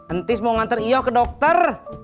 entis mau nganter iyoh ke dokter